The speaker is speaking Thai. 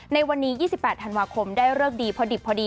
ในวันนี้๒๘ธันวาคมได้เลิกดีพอดิบพอดี